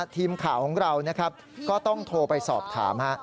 ทีมข่าวของเรานะครับก็ต้องโทรไปสอบถาม